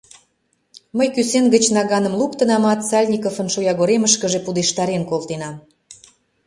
Мый кӱсен гыч наганым луктынамат, Сальниковын шоягоремышкыже пудештарен колтенам.